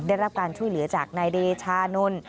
ได้รับการช่วยเหลือจากนายเดชานนท์